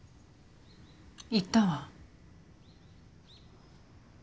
行ったわ。